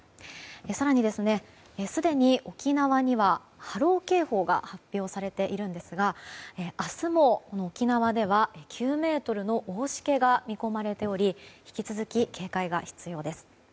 更に、すでに沖縄には波浪警報が発表されているんですが明日も沖縄では９ｍの大しけが見込まれており引き続き警戒が必要です。